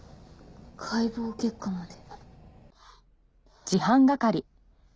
解剖結果まで。